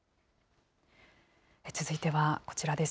続いてはこちらです。